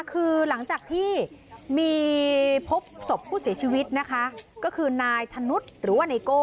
คือหลังจากที่มีพบศพผู้เสียชีวิตนะคะก็คือนายธนุษย์หรือว่าไนโก้